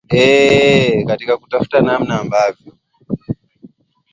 eeh katika kutafuta namna ambavyo